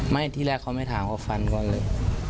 ที่แรกเขาไม่ถามเขาฟันก่อนเลย